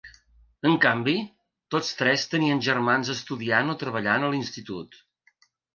En canvi, tots tres tenien germans estudiant o treballant a l’institut.